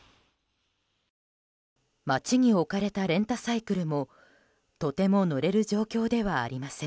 街に置かれたレンタサイクルもとても乗れる状況ではありません。